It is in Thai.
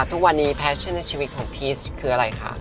ทุกวันนี้แฟชั่นในชีวิตของพีชคืออะไรคะ